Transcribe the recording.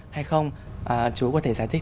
hay không chú có thể giải thích